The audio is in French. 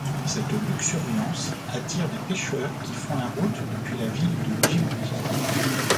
Cette luxuriance attire des pêcheurs qui font la route depuis la ville de Djibouti.